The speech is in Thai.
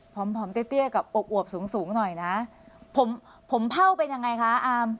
ฟอมฟอมเตี้ยเตี้ยกับอบอบสูงสูงหน่อยนะผมผมเผ่าเป็นยังไงคะอาร์ม